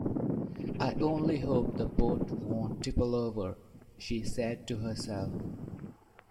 ‘I only hope the boat won’t tipple over!’ she said to herself.